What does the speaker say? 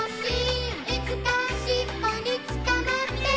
「いつかしっぽに捕まって」